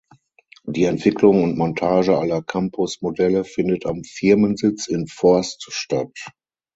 Die Entwicklung und Montage aller Campus Modelle findet am Firmensitz in Forst statt.